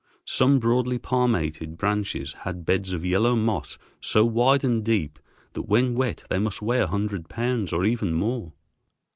Some broadly palmated branches had beds of yellow moss so wide and deep that when wet they must weigh a hundred pounds or even more.